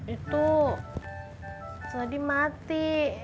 itu tadi mati